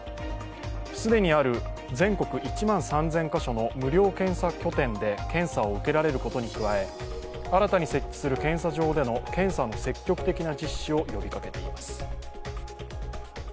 既にある全国１万３０００カ所の無料検査拠点で検査を受けられることに加え新たに設置する検査場での検査の積極的な実施を呼びかけています。